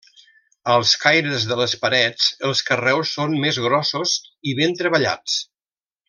Als caires de les parets, els carreus són més grossos i ben treballats.